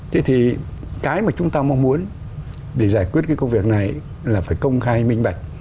thế thì cái mà chúng ta mong muốn để giải quyết cái công việc này là phải công khai minh bạch